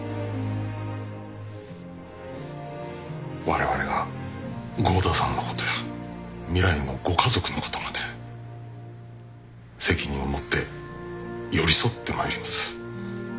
われわれが郷田さんのことや未来のご家族のことまで責任を持って寄り添ってまいります。